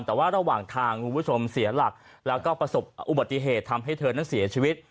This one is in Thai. แต่ว่าระหว่างทางคุณผู้ชมเสียหลักแล้วก็ประสบอุบัติเหตุทำให้เธอนั้นเสียชีวิต